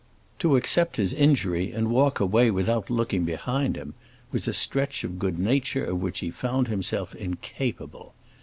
To accept his injury and walk away without looking behind him was a stretch of good nature of which he found himself incapable.